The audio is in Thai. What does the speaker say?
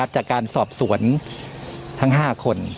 จากการสอบสวนทั้ง๕คน